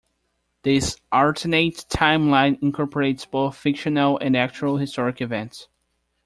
This alternate timeline incorporates both fictional and actual historic events.